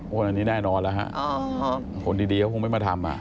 คนอันนี้แน่นอนแล้วฮะคนดีก็คงไม่มาทำอ่ะ